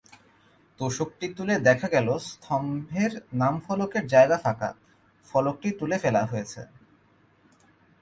তোশকটি তুলে দেখা গেল, স্তম্ভের নামফলকের জায়গা ফাঁকা, ফলকটি তুলে ফেলা হয়েছে।